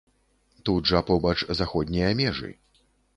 Тут жа побач заходнія межы.